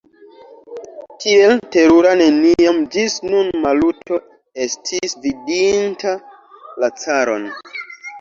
Tiel terura neniam ĝis nun Maluto estis vidinta la caron.